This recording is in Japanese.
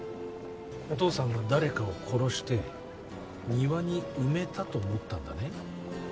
お父さんが誰かを殺して庭に埋めたと思ったんだね。